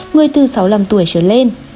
người từ sáu mươi năm tuổi trở lên